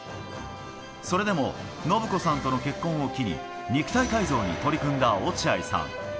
それでも信子さんとの結婚を機に肉体改造に取り組んだ落合さん。